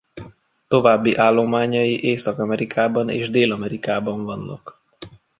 További állományai Észak-Amerikában és Dél-Amerikában vannak.